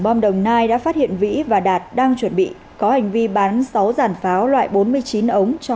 bom đồng nai đã phát hiện vĩ và đạt đang chuẩn bị có hành vi bán sáu giàn pháo loại bốn mươi chín ống cho